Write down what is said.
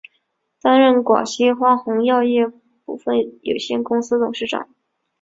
担任广西花红药业股份有限公司董事长。